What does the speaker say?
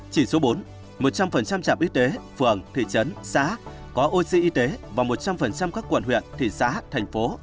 chỉ số bốn một trăm linh trạm y tế phường thị trấn xã có ô si y tế và một trăm linh các quận huyện thị xã thành phố